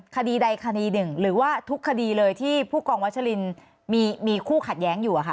คดีใดคดีหนึ่งหรือว่าทุกคดีเลยที่ผู้กองวัชลินมีคู่ขัดแย้งอยู่อะค่ะ